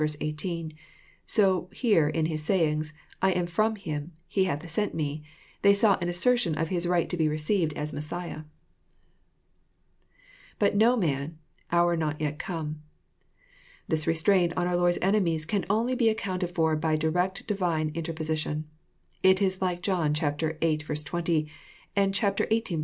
18,) so here in His saying " I am from Him : He hath sent me," they saw an assertion of His right to be received as Messiah, [^But no man..Jiour not yet come.'] This restraint on our Lord's enemies can only be accounted for by direct Divine interposi tion. It is like John viii. 20, and xviii. 6.